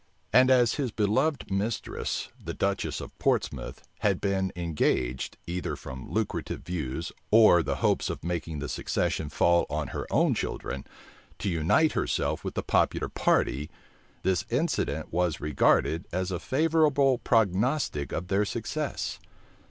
And as his beloved mistress, the duchess of Portsmouth, had been engaged, either from lucrative views, or the hopes of making the succession fall on her own children, to unite herself with the popular party, this incident was regarded as a favorable prognostic of their success.